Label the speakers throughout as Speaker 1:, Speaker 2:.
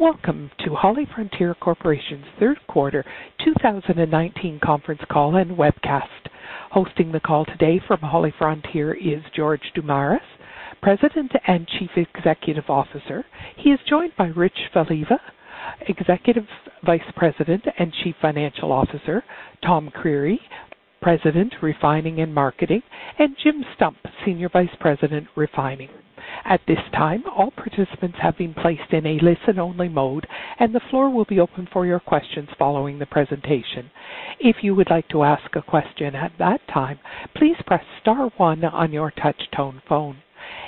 Speaker 1: Welcome to HollyFrontier Corporation's third quarter 2019 conference call and webcast. Hosting the call today from HollyFrontier is George Damiris, President and Chief Executive Officer. He is joined by Rich Voliva, Executive Vice President and Chief Financial Officer, Tom Creery, President, Refining and Marketing, and Jim Stump, Senior Vice President, Refining. At this time, all participants have been placed in a listen-only mode, and the floor will be open for your questions following the presentation. If you would like to ask a question at that time, please press star one on your touch-tone phone.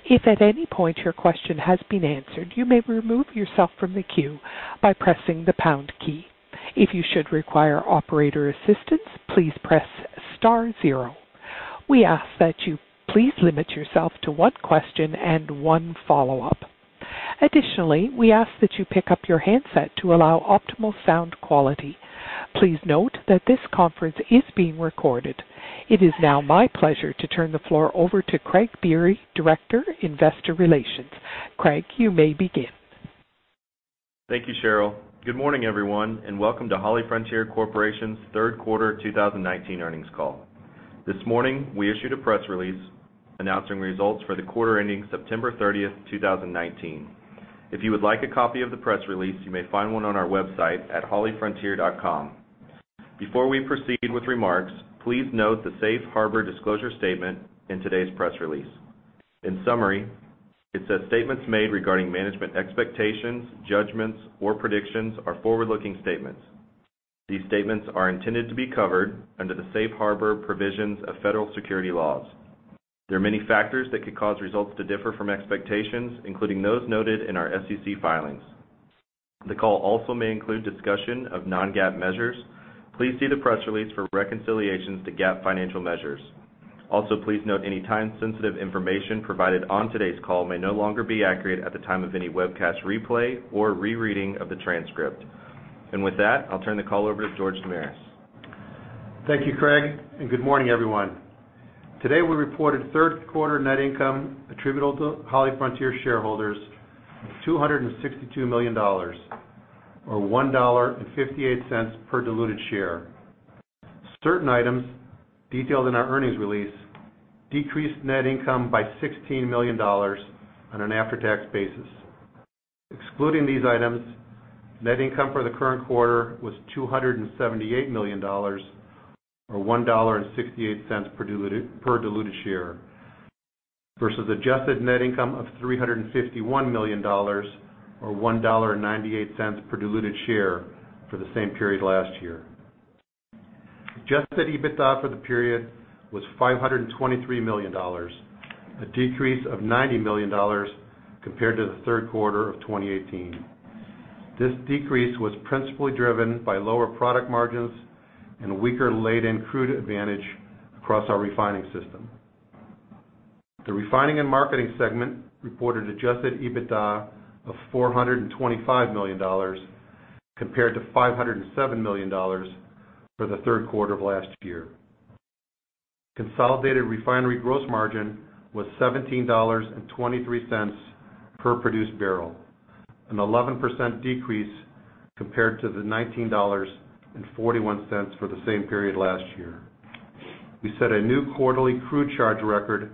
Speaker 1: If at any point your question has been answered, you may remove yourself from the queue by pressing the pound key. If you should require operator assistance, please press star zero. We ask that you please limit yourself to one question and one follow-up. Additionally, we ask that you pick up your handset to allow optimal sound quality. Please note that this conference is being recorded. It is now my pleasure to turn the floor over to Craig Biery, Director, Investor Relations. Craig, you may begin.
Speaker 2: Thank you, Cheryl. Good morning, everyone, and welcome to HollyFrontier Corporation's third quarter 2019 earnings call. This morning, we issued a press release announcing results for the quarter ending September 30th, 2019. If you would like a copy of the press release, you may find one on our website at hollyfrontier.com. Before we proceed with remarks, please note the safe harbor disclosure statement in today's press release. In summary, it says statements made regarding management expectations, judgments, or predictions are forward-looking statements. These statements are intended to be covered under the safe harbor provisions of federal security laws. There are many factors that could cause results to differ from expectations, including those noted in our SEC filings. The call also may include discussion of non-GAAP measures. Please see the press release for reconciliations to GAAP financial measures. Also, please note any time-sensitive information provided on today's call may no longer be accurate at the time of any webcast replay or rereading of the transcript. With that, I'll turn the call over to George Damiris.
Speaker 3: Thank you, Craig, and good morning, everyone. Today, we reported third quarter net income attributable to HollyFrontier shareholders of $262 million, or $1.58 per diluted share. Certain items detailed in our earnings release decreased net income by $16 million on an after-tax basis. Excluding these items, net income for the current quarter was $278 million, or $1.68 per diluted share, versus adjusted net income of $351 million, or $1.98 per diluted share for the same period last year. Adjusted EBITDA for the period was $523 million, a decrease of $90 million compared to the third quarter of 2018. This decrease was principally driven by lower product margins and a weaker laid-in crude advantage across our refining system. The refining and marketing segment reported adjusted EBITDA of $425 million compared to $507 million for the third quarter of last year. Consolidated refinery gross margin was $17.23 per produced barrel, an 11% decrease compared to the $19.41 for the same period last year. We set a new quarterly crude charge record,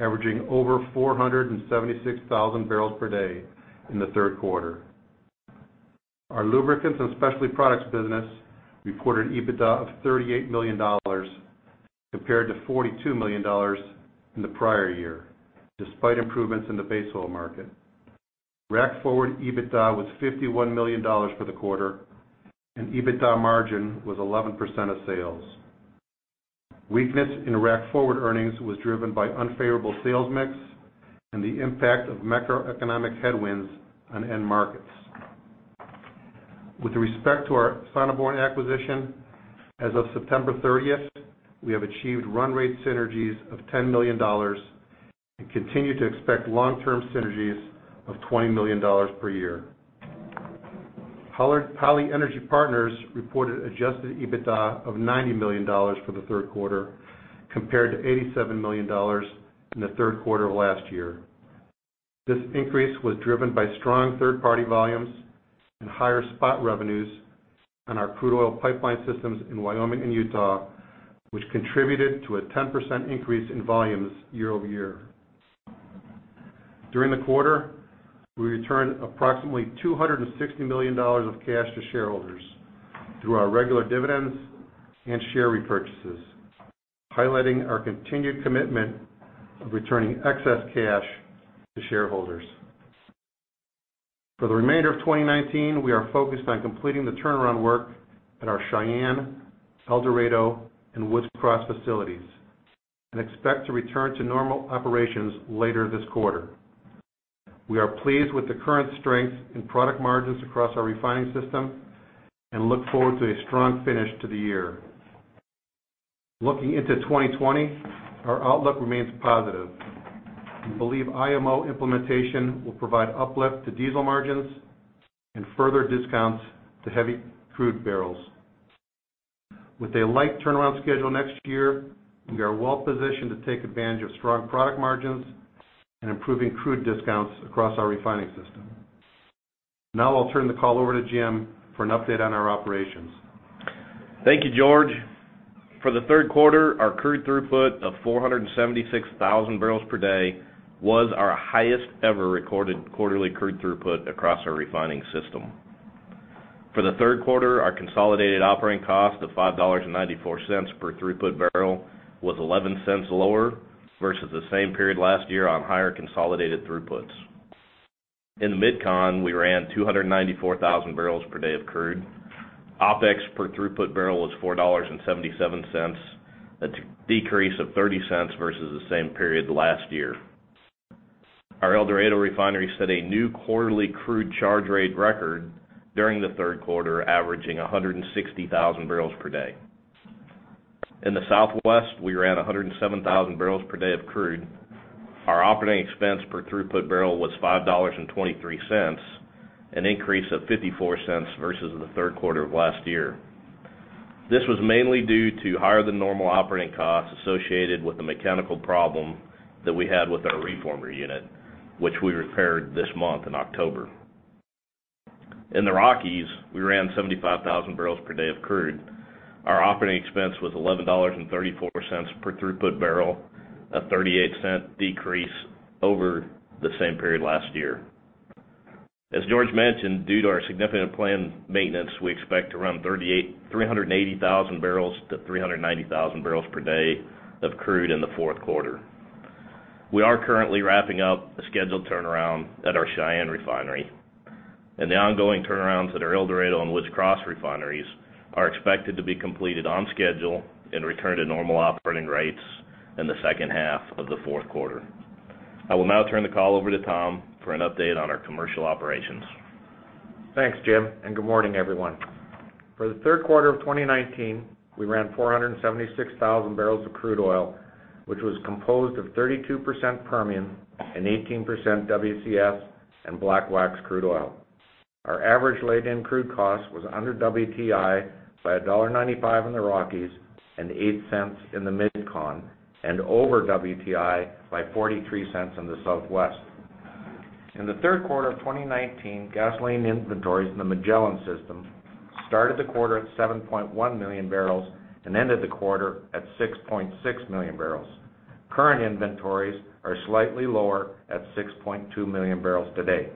Speaker 3: averaging over 476,000 barrels per day in the third quarter. Our lubricants and specialty products business reported EBITDA of $38 million compared to $42 million in the prior year, despite improvements in the base oil market. Rack Forward EBITDA was $51 million for the quarter, and EBITDA margin was 11% of sales. Weakness in Rack Forward earnings was driven by unfavorable sales mix and the impact of macroeconomic headwinds on end markets. With respect to our Sonneborn acquisition, as of September 30th, we have achieved run rate synergies of $10 million and continue to expect long-term synergies of $20 million per year. Holly Energy Partners reported adjusted EBITDA of $90 million for the third quarter compared to $87 million in the third quarter of last year. This increase was driven by strong third-party volumes and higher spot revenues on our crude oil pipeline systems in Wyoming and Utah, which contributed to a 10% increase in volumes year-over-year. During the quarter, we returned approximately $260 million of cash to shareholders through our regular dividends and share repurchases, highlighting our continued commitment of returning excess cash to shareholders. For the remainder of 2019, we are focused on completing the turnaround work at our Cheyenne, El Dorado, and Woods Cross facilities and expect to return to normal operations later this quarter. We are pleased with the current strength in product margins across our refining system and look forward to a strong finish to the year. Looking into 2020, our outlook remains positive. We believe IMO implementation will provide uplift to diesel margins and further discounts to heavy crude barrels. With a light turnaround schedule next year, we are well-positioned to take advantage of strong product margins and improving crude discounts across our refining system. Now I'll turn the call over to Jim for an update on our operations.
Speaker 4: Thank you, George. For the third quarter, our crude throughput of 476,000 barrels per day was our highest ever recorded quarterly crude throughput across our refining system. For the third quarter, our consolidated operating cost of $5.94 per throughput barrel was $0.11 lower versus the same period last year on higher consolidated throughputs. In the MidCon, we ran 294,000 barrels per day of crude. OPEX per throughput barrel was $4.77. That's a decrease of $0.30 versus the same period last year. Our El Dorado refinery set a new quarterly crude charge rate record during the third quarter, averaging 160,000 barrels per day. In the Southwest, we ran 107,000 barrels per day of crude. Our operating expense per throughput barrel was $5.23, an increase of $0.54 versus the third quarter of last year. This was mainly due to higher than normal operating costs associated with the mechanical problem that we had with our reformer unit, which we repaired this month in October. In the Rockies, we ran 75,000 barrels per day of crude. Our operating expense was $11.34 per throughput barrel, a $0.38 decrease over the same period last year. As George mentioned, due to our significant planned maintenance, we expect to run 380,000-390,000 barrels per day of crude in the fourth quarter. We are currently wrapping up a scheduled turnaround at our Cheyenne refinery, and the ongoing turnarounds at our El Dorado and Woods Cross refineries are expected to be completed on schedule and return to normal operating rates in the second half of the fourth quarter. I will now turn the call over to Tom for an update on our commercial operations.
Speaker 5: Thanks, Jim, and good morning, everyone. For the third quarter of 2019, we ran 476,000 barrels of crude oil, which was composed of 32% Permian and 18% WCS and black wax crude oil. Our average laid-in crude cost was under WTI by $1.95 in the Rockies and $0.08 in the MidCon, and over WTI by $0.43 in the Southwest. In the third quarter of 2019, gasoline inventories in the Magellan system started the quarter at 7.1 million barrels and ended the quarter at 6.6 million barrels. Current inventories are slightly lower at 6.2 million barrels to date.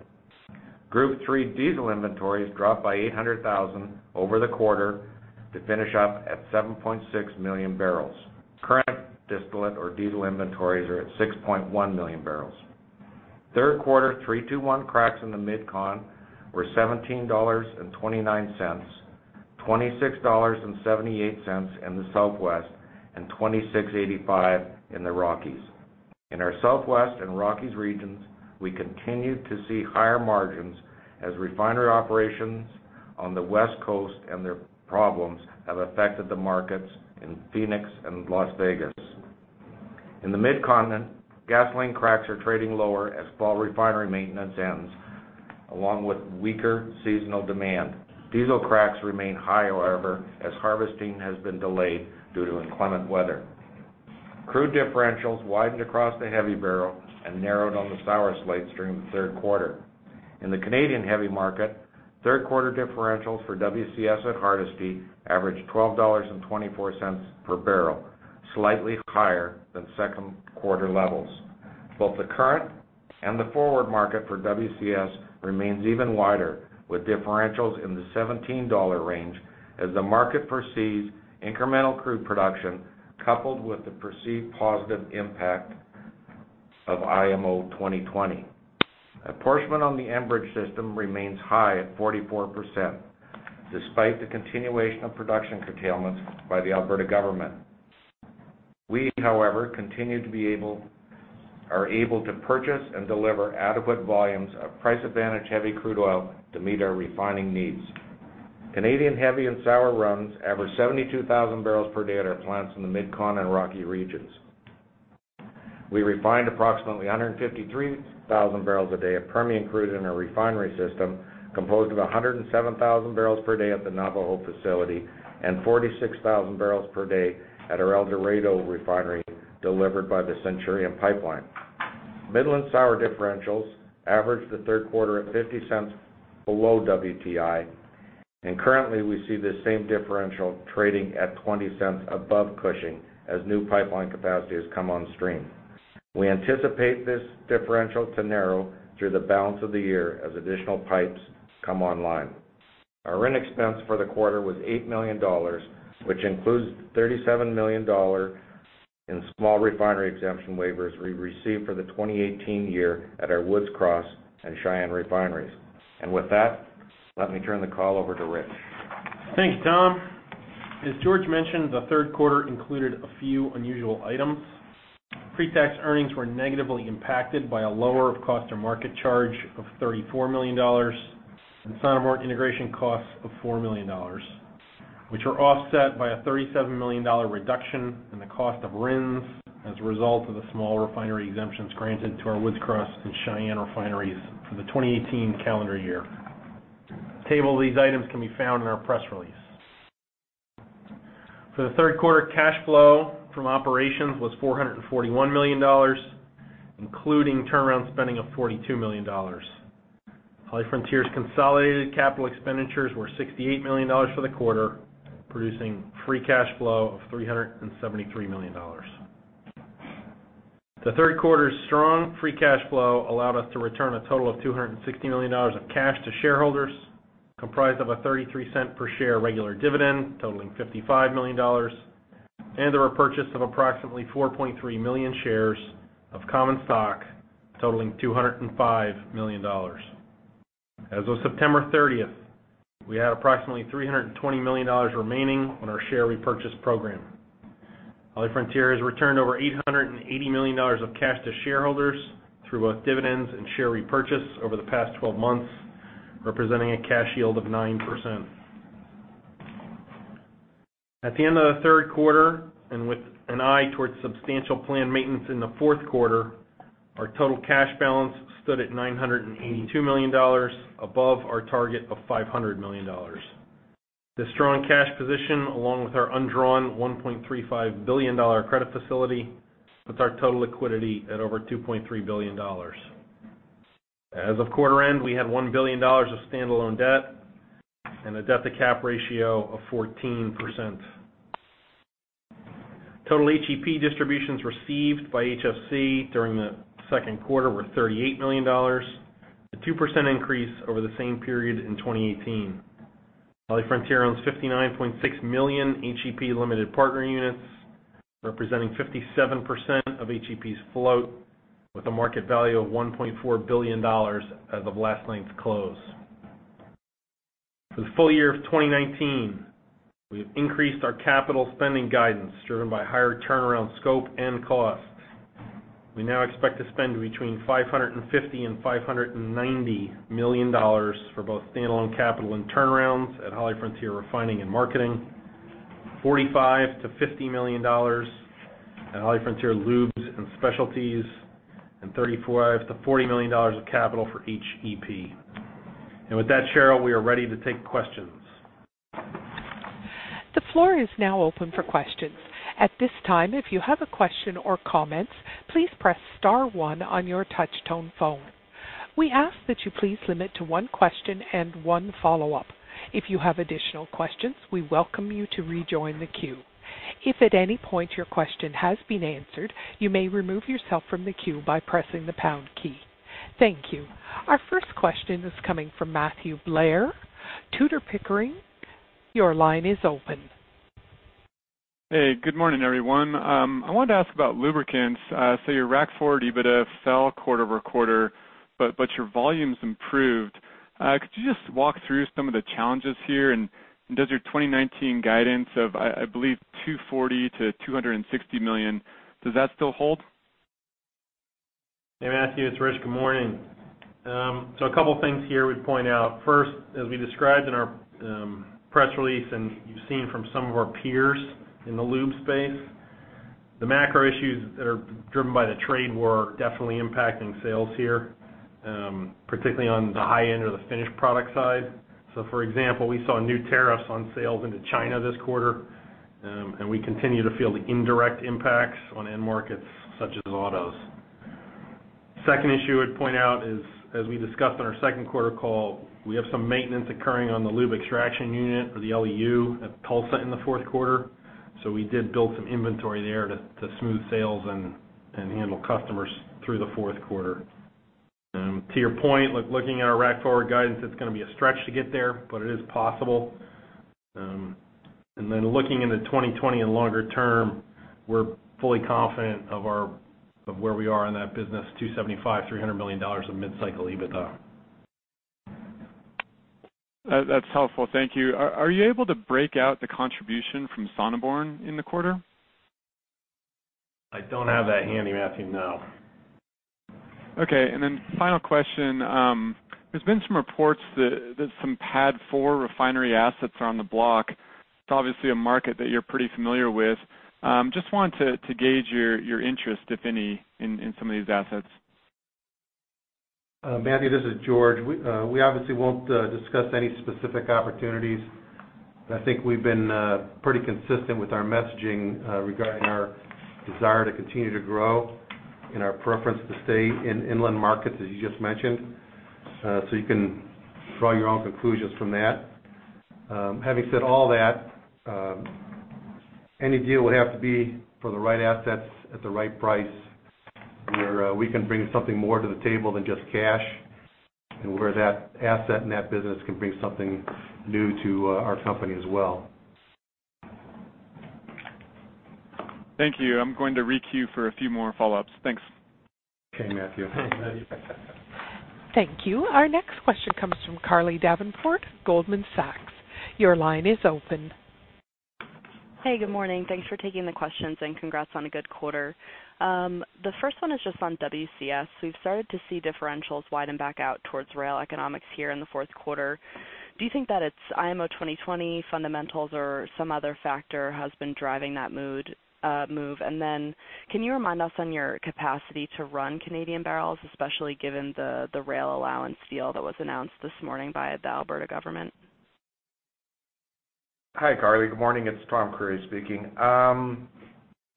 Speaker 5: Group 3 diesel inventories dropped by 800,000 over the quarter to finish up at 7.6 million barrels. Current distillate or diesel inventories are at 6.1 million barrels. Third quarter 3-2-1 cracks in the MidCon were $17.29, $26.78 in the Southwest, and $26.85 in the Rockies. In our Southwest and Rockies regions, we continue to see higher margins as refinery operations on the West Coast and their problems have affected the markets in Phoenix and Las Vegas. In the Mid-Continent, gasoline cracks are trading lower as fall refinery maintenance ends, along with weaker seasonal demand. Diesel cracks remain high, however, as harvesting has been delayed due to inclement weather. Crude differentials widened across the heavy barrel and narrowed on the sour slates during the third quarter. In the Canadian heavy market, third quarter differentials for WCS at Hardisty averaged $12.24 per barrel, slightly higher than second quarter levels. Both the current and the forward market for WCS remains even wider with differentials in the $17 range as the market perceives incremental crude production, coupled with the perceived positive impact of IMO 2020. Apportionment on the Enbridge system remains high at 44%, despite the continuation of production curtailments by the Alberta government. We, however, are able to purchase and deliver adequate volumes of price-advantaged heavy crude oil to meet our refining needs. Canadian heavy and sour runs average 72,000 barrels per day at our plants in the MidCon and Rocky regions. We refined approximately 153,000 barrels a day of Permian crude in our refinery system, composed of 107,000 barrels per day at the Navajo facility and 46,000 barrels per day at our El Dorado refinery, delivered by the Centurion Pipeline. Midland sour differentials averaged the third quarter at $0.50 below WTI. Currently, we see this same differential trading at $0.20 above Cushing as new pipeline capacity has come on stream. We anticipate this differential to narrow through the balance of the year as additional pipes come online. Our RIN expense for the quarter was $8 million, which includes $37 million in Small Refinery Exemption waivers we received for the 2018 year at our Woods Cross and Cheyenne refineries. With that, let me turn the call over to Rich.
Speaker 6: Thanks, Tom. As George mentioned, the third quarter included a few unusual items. Pre-tax earnings were negatively impacted by a lower of cost or market charge of $34 million and Sonneborn integration costs of $4 million, which were offset by a $37 million reduction in the cost of RINs as a result of the Small Refinery Exemptions granted to our Woods Cross and Cheyenne refineries for the 2018 calendar year. A table of these items can be found in our press release. For the third quarter, cash flow from operations was $441 million, including turnaround spending of $42 million. HollyFrontier's consolidated capital expenditures were $68 million for the quarter, producing free cash flow of $373 million. The third quarter's strong free cash flow allowed us to return a total of $260 million of cash to shareholders, comprised of a $0.33 per share regular dividend totaling $55 million, and the repurchase of approximately 4.3 million shares of common stock totaling $205 million. As of September 30th, we had approximately $320 million remaining on our share repurchase program. HollyFrontier has returned over $880 million of cash to shareholders through both dividends and share repurchase over the past 12 months, representing a cash yield of 9%. At the end of the third quarter, and with an eye towards substantial planned maintenance in the fourth quarter, our total cash balance stood at $982 million, above our target of $500 million. This strong cash position, along with our undrawn $1.35 billion credit facility, puts our total liquidity at over $2.3 billion. As of quarter end, we had $1 billion of standalone debt and a debt-to-cap ratio of 14%. Total HEP distributions received by HFC during the second quarter were $38 million, a 2% increase over the same period in 2018. HollyFrontier owns 59.6 million HEP limited partner units, representing 57% of HEP's float, with a market value of $1.4 billion as of last night's close. For the full year of 2019, we have increased our capital spending guidance, driven by higher turnaround scope and cost. We now expect to spend between $550 million and $590 million for both standalone capital and turnarounds at HollyFrontier refining and marketing, $45 million to $50 million at HollyFrontier Lubricants & Specialties, and $35 million to $40 million of capital for each HEP. With that, Cheryl, we are ready to take questions.
Speaker 1: The floor is now open for questions. At this time, if you have a question or comments, please press *1 on your touch-tone phone. We ask that you please limit to one question and one follow-up. If you have additional questions, we welcome you to rejoin the queue. If at any point your question has been answered, you may remove yourself from the queue by pressing the # key. Thank you. Our first question is coming from Matthew Blair, Tudor, Pickering. Your line is open.
Speaker 7: Hey, good morning, everyone. I wanted to ask about lubricants. Your Rack Forward EBITDA fell quarter-over-quarter, but your volumes improved. Could you just walk through some of the challenges here? Does your 2019 guidance of, I believe, $240 million-$260 million, does that still hold?
Speaker 6: Hey, Matthew, it's Rich. Good morning. A couple of things here we'd point out. First, as we described in our press release and you've seen from some of our peers in the lube space, the macro issues that are driven by the trade war are definitely impacting sales here, particularly on the high end or the finished product side. For example, we saw new tariffs on sales into China this quarter, and we continue to feel the indirect impacts on end markets such as autos. Second issue I'd point out is, as we discussed on our second quarter call, we have some maintenance occurring on the lube extraction unit or the LEU at Tulsa in the fourth quarter. We did build some inventory there to smooth sales and handle customers through the fourth quarter. To your point, looking at our Rack Forward guidance, it's going to be a stretch to get there, but it is possible. Looking into 2020 and longer term, we're fully confident of where we are in that business, $275, $300 million of mid-cycle EBITDA.
Speaker 7: That's helpful. Thank you. Are you able to break out the contribution from Sonneborn in the quarter?
Speaker 6: I don't have that handy, Matthew, no.
Speaker 7: Okay. Final question. There's been some reports that some PADD 4 refinery assets are on the block. It's obviously a market that you're pretty familiar with. I just wanted to gauge your interest, if any, in some of these assets.
Speaker 3: Matthew, this is George. We obviously won't discuss any specific opportunities, but I think we've been pretty consistent with our messaging regarding our desire to continue to grow and our preference to stay in inland markets, as you just mentioned. You can draw your own conclusions from that. Having said all that, any deal would have to be for the right assets at the right price, where we can bring something more to the table than just cash, and where that asset and that business can bring something new to our company as well.
Speaker 7: Thank you. I'm going to re-queue for a few more follow-ups. Thanks.
Speaker 6: Okay, Matthew.
Speaker 1: Thank you. Our next question comes from Carly Davenport, Goldman Sachs. Your line is open.
Speaker 8: Hey, good morning. Thanks for taking the questions and congrats on a good quarter. The first one is just on WCS. We've started to see differentials widen back out towards rail economics here in the fourth quarter. Do you think that it's IMO 2020 fundamentals or some other factor has been driving that move? Can you remind us on your capacity to run Canadian barrels, especially given the rail allowance deal that was announced this morning by the Alberta Government?
Speaker 5: Hi, Carly. Good morning. It's Thomas Creery speaking. I will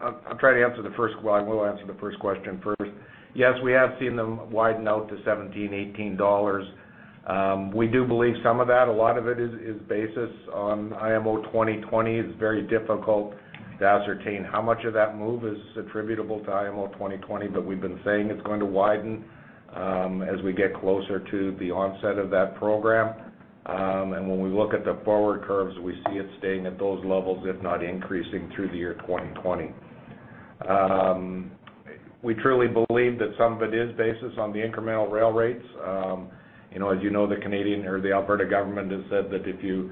Speaker 5: answer the first question first. Yes, we have seen them widen out to $17, $18. We do believe some of that, a lot of it is basis on IMO 2020. It's very difficult to ascertain how much of that move is attributable to IMO 2020, but we've been saying it's going to widen as we get closer to the onset of that program. When we look at the forward curves, we see it staying at those levels, if not increasing through the year 2020. We truly believe that some of it is based on the incremental rail rates. As you know, the Alberta government has said that if you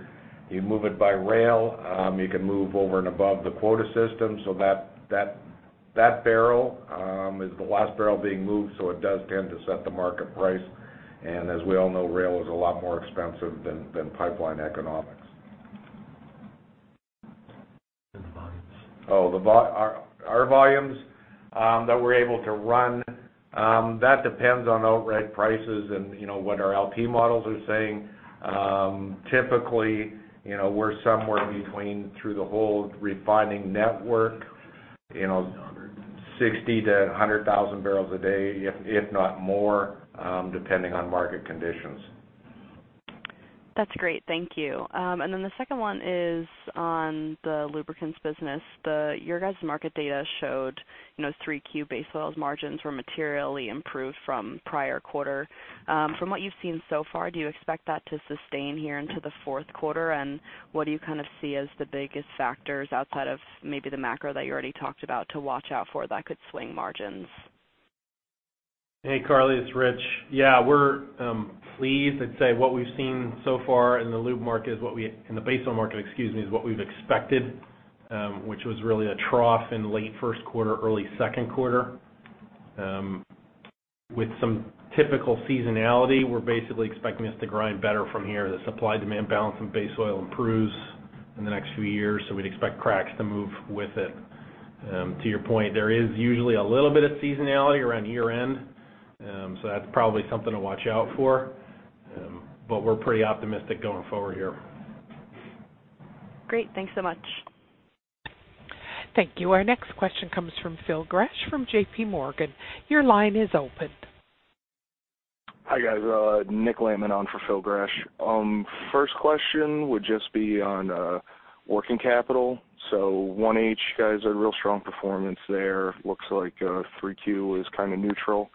Speaker 5: move it by rail, you can move over and above the quota system. That barrel is the last barrel being moved, so it does tend to set the market price, and as we all know, rail is a lot more expensive than pipeline economics.
Speaker 3: The volumes.
Speaker 5: Our volumes that we're able to run, that depends on outright prices and what our LP models are saying. Typically, we're somewhere between, through the whole refining network, 60,000 to 100,000 barrels a day, if not more, depending on market conditions.
Speaker 8: That's great. Thank you. The second one is on the lubricants business. Your guys' market data showed 3Q base oils margins were materially improved from prior quarter. From what you've seen so far, do you expect that to sustain here into the fourth quarter? What do you see as the biggest factors outside of maybe the macro that you already talked about to watch out for that could swing margins?
Speaker 6: Hey, Carly, it's Rich. We're pleased. I'd say what we've seen so far in the base oil market is what we've expected, which was really a trough in late first quarter, early second quarter. With some typical seasonality, we're basically expecting this to grind better from here. The supply-demand balance in base oil improves in the next few years. We'd expect cracks to move with it. To your point, there is usually a little bit of seasonality around year-end. That's probably something to watch out for. We're pretty optimistic going forward here.
Speaker 8: Great. Thanks so much.
Speaker 1: Thank you. Our next question comes from Phil Gresh from JPMorgan. Your line is open.
Speaker 9: Hi, guys. Nick Lehmann on for Phil Gresh. First question would just be on working capital. 1H, guys, a real strong performance there. Looks like 3Q was kind of neutral.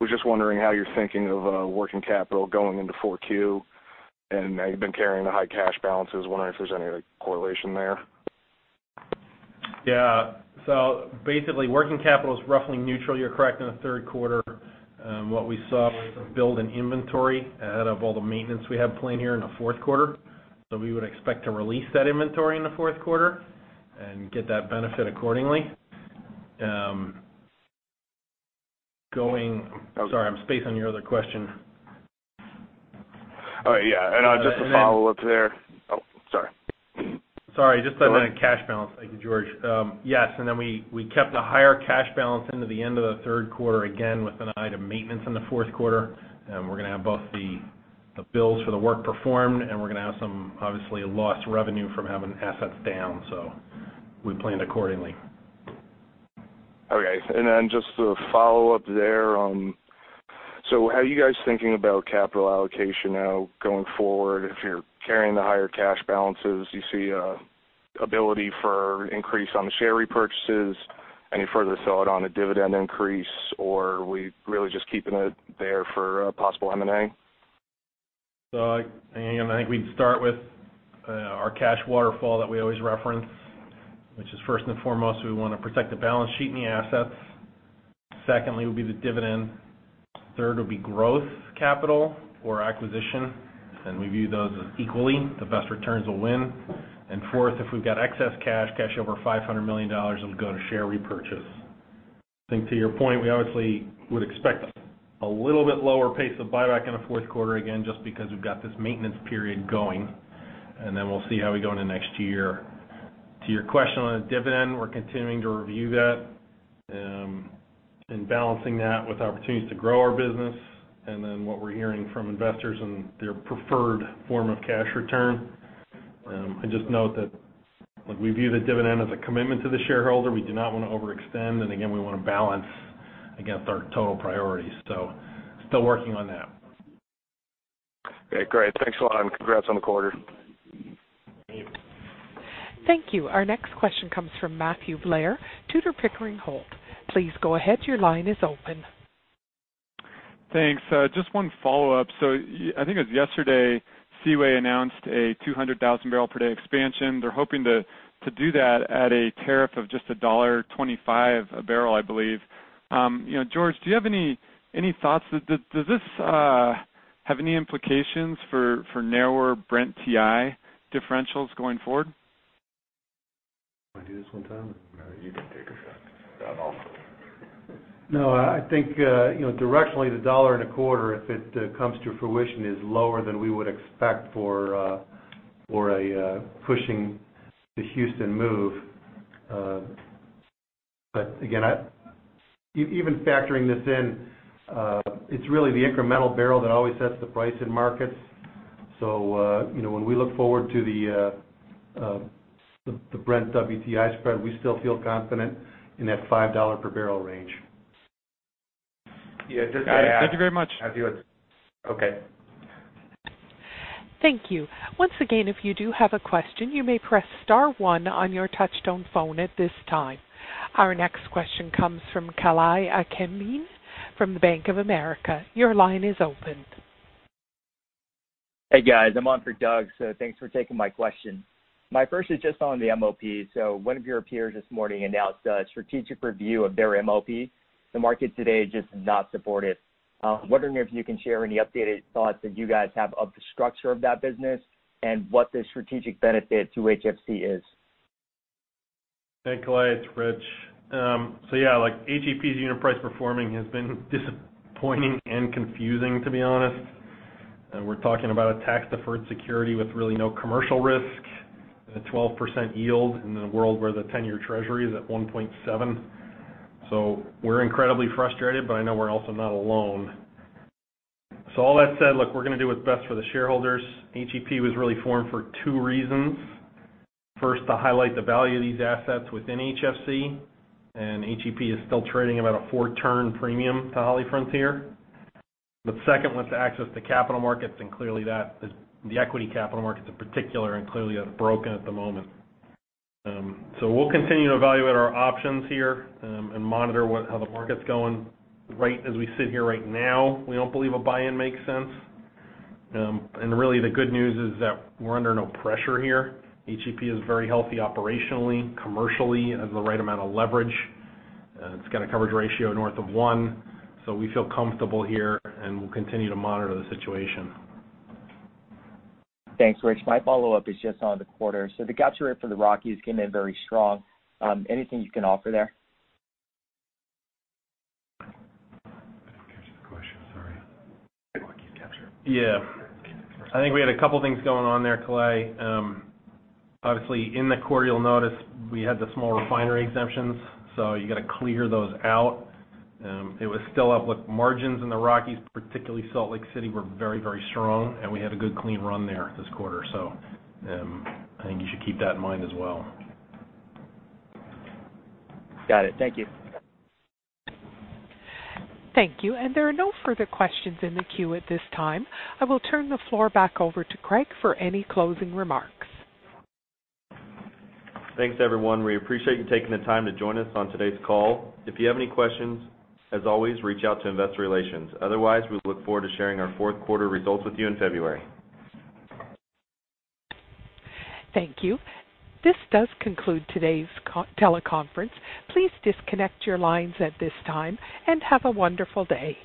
Speaker 9: Was just wondering how you're thinking of working capital going into 4Q, and how you've been carrying the high cash balances. Wondering if there's any correlation there.
Speaker 6: Basically, working capital is roughly neutral. You're correct, in the third quarter, what we saw was build in inventory ahead of all the maintenance we have planned here in the fourth quarter. We would expect to release that inventory in the fourth quarter and get that benefit accordingly. Sorry, I'm spacing on your other question.
Speaker 9: Oh, yeah. Just to follow up there. Oh, sorry.
Speaker 6: Sorry. Just on the cash balance. Thank you, George. Yes, we kept a higher cash balance into the end of the third quarter, again, with an eye to maintenance in the fourth quarter. We're going to have both the bills for the work performed, and we're going to have some, obviously, lost revenue from having assets down. We planned accordingly.
Speaker 9: Okay. Just to follow up there. How are you guys thinking about capital allocation now going forward? If you're carrying the higher cash balances, do you see ability for increase on the share repurchases? Any further thought on a dividend increase, or are we really just keeping it there for possible M&A?
Speaker 6: Again, I think we'd start with our cash waterfall that we always reference, which is first and foremost, we want to protect the balance sheet and the assets. Secondly, would be the dividend. Third would be growth capital or acquisition, and we view those as equal. The best returns will win. Fourth, if we've got excess cash over $500 million, it'll go to share repurchase. I think to your point, we obviously would expect a little bit lower pace of buyback in the fourth quarter, again, just because we've got this maintenance period going. We'll see how we go into next year. To your question on a dividend, we're continuing to review that and balancing that with opportunities to grow our business and then what we're hearing from investors and their preferred form of cash return. I just note that, look, we view the dividend as a commitment to the shareholder. We do not want to overextend, again, we want to balance against our total priorities. Still working on that.
Speaker 9: Okay, great. Thanks a lot, and congrats on the quarter.
Speaker 6: Thank you.
Speaker 1: Thank you. Our next question comes from Matthew Blair, Tudor, Pickering, Holt & Co. Please go ahead. Your line is open.
Speaker 7: Thanks. Just one follow-up. I think it was yesterday, Seaway announced a 200,000 barrel per day expansion. They're hoping to do that at a tariff of just $1.25 a barrel, I believe. George, do you have any thoughts? Does this have any implications for narrower Brent WTI differentials going forward?
Speaker 3: Want to do this one, Tom?
Speaker 5: No, you can take a shot.
Speaker 3: That offer. No, I think directionally, the $1.25, if it comes to fruition, is lower than we would expect for pushing the Houston move. Again, even factoring this in, it's really the incremental barrel that always sets the price in markets. When we look forward to the Brent WTI spread, we still feel confident in that $5 per barrel range.
Speaker 2: Yeah.
Speaker 6: Thank you very much.
Speaker 2: Okay.
Speaker 1: Thank you. Once again, if you do have a question, you may press star one on your touchtone phone at this time. Our next question comes from Kalei Akamine from the Bank of America. Your line is opened.
Speaker 10: Hey, guys. I'm on for Doug, thanks for taking my question. My first is just on the MLP. One of your peers this morning announced a strategic review of their MLP. The market today just does not support it. I'm wondering if you can share any updated thoughts that you guys have of the structure of that business and what the strategic benefit to HFC is.
Speaker 6: Hey, Kalei. It's Rich. Yeah, HEP's unit price performing has been disappointing and confusing, to be honest. We're talking about a tax-deferred security with really no commercial risk, a 12% yield in a world where the 10-year treasury is at 1.7. We're incredibly frustrated, but I know we're also not alone. All that said, look, we're going to do what's best for the shareholders. HEP was really formed for two reasons. First, to highlight the value of these assets within HFC, HEP is still trading about a four-turn premium to HollyFrontier. Second was to access the capital markets, clearly the equity capital markets in particular are clearly broken at the moment. We'll continue to evaluate our options here and monitor how the market's going. Right as we sit here right now, we don't believe a buy-in makes sense. Really the good news is that we're under no pressure here. HEP is very healthy operationally, commercially. It has the right amount of leverage. It's got a coverage ratio north of one. We feel comfortable here, and we'll continue to monitor the situation.
Speaker 10: Thanks, Rich. My follow-up is just on the quarter. The capture rate for the Rockies came in very strong. Anything you can offer there?
Speaker 3: I didn't catch the question, sorry.
Speaker 6: Yeah. I think we had a couple of things going on there, Kalei. Obviously, in the quarter, you'll notice we had the Small Refinery Exemptions. You got to clear those out. It was still up, look, margins in the Rockies, particularly Salt Lake City, were very strong, and we had a good clean run there this quarter. I think you should keep that in mind as well.
Speaker 10: Got it. Thank you.
Speaker 1: Thank you. There are no further questions in the queue at this time. I will turn the floor back over to Craig for any closing remarks.
Speaker 2: Thanks, everyone. We appreciate you taking the time to join us on today's call. If you have any questions, as always, reach out to Investor Relations. We look forward to sharing our fourth quarter results with you in February.
Speaker 1: Thank you. This does conclude today's teleconference. Please disconnect your lines at this time, and have a wonderful day.